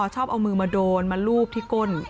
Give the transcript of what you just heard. ชอบเอามือมาโดนมาลูบที่ก้น